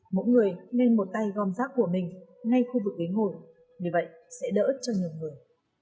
mỗi người nên một tay gom rác của mình ngay khu vực ghế ngồi vì vậy sẽ đỡ cho nhiều người